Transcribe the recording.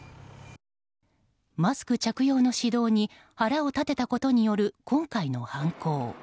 マスク着用の指導に腹を立てたことによる今回の犯行。